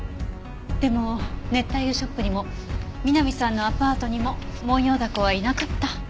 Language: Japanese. でも熱帯魚ショップにも美波さんのアパートにもモンヨウダコはいなかった。